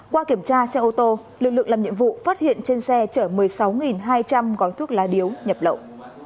qua kiểm tra xe ô tô lực lượng làm nhiệm vụ phát hiện trên xe chở một mươi sáu hai trăm linh gói thuốc lá điếu nhập lậu